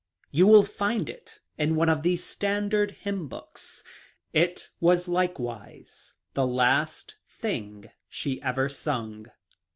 * You will find it in one of the standard hymn books. It was like wise the last thing she ever sung."